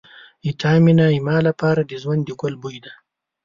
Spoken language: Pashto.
ستا مینه زما لپاره د ژوند د ګل بوی دی.